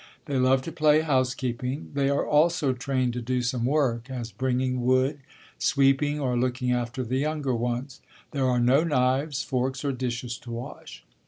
They love to play housekeeping. They are also trained to do some work, as bringing wood, sweeping or looking after the younger ones. There are no knives, forks or dishes to wash.